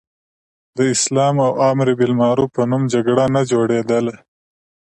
د اسلام او امر بالمعروف په نوم جګړه نه جوړېدله.